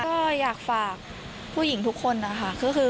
ก็อยากฝากผู้หญิงทุกคนนะคะ